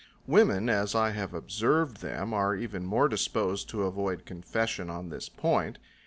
Women, as I have observed them, are even more disposed to avoid confession on this point.